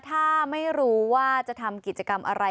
ถ้าไม่รู้ว่าจะทำกิจกรรมอะไร